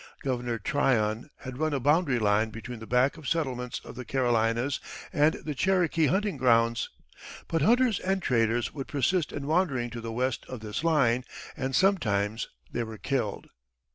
Governor Tryon had run a boundary line between the back settlements of the Carolinas and the Cherokee hunting grounds. But hunters and traders would persist in wandering to the west of this line, and sometimes they were killed.